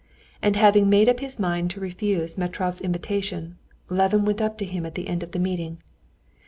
And having made up his mind to refuse Metrov's invitation, Levin went up to him at the end of the meeting.